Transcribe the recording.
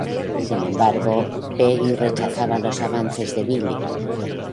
Sin embargo, Peggy rechaza los avances de Billy.